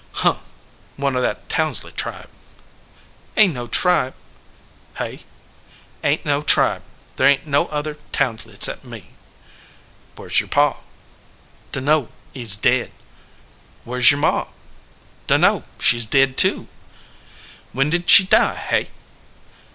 "Huh! one of that Townsley tribe." "Ain t no tribe." "Hey?" "Ain t no tribe. There ain t no other Townsley cept me." "Where s your pa?" no THE FLOWERING BUSH "Dunno. He s dead." "Where s your ma?" "Dunno. She s dead, too." "When did she die, hey?"